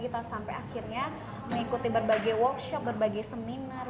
gaji karyawan lagi sampai akhirnya mengikuti berbagai workshop berbagai seminar